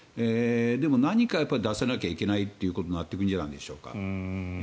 でも、何か出さなきゃいけないということになっていくんじゃないでしょうか。